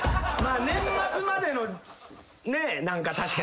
年末までのね何か確かに。